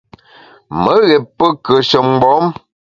Me ghét pe kùeshe mgbom.